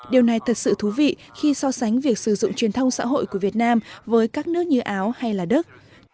điều này thật sự thú vị khi so sánh việc sử dụng truyền thông xã hội của việt nam với các nước như áo hay là đức